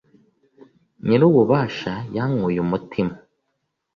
nyir'ububasha yankuye umutima